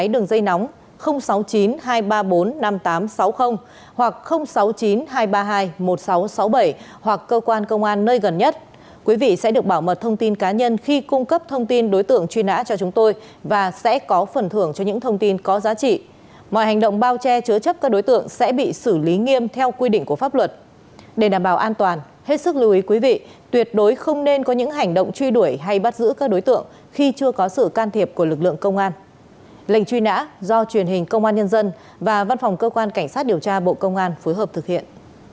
do truyền hình công an nhân dân và văn phòng cơ quan cảnh sát điều tra bộ công an phối hợp thực hiện